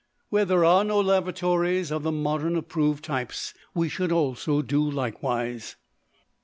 Where there are no lavatories of the modern approved types, we should also do likewise.